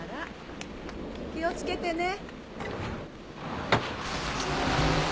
気を付けてね。